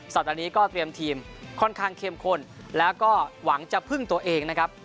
สัปดาห์นี้ก็เตรียมทีมค่อนข้างเข้มข้นแล้วก็หวังจะพึ่งตัวเองนะครับ